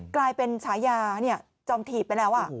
กลายเป็นฉายาจอมถีบไปแล้ว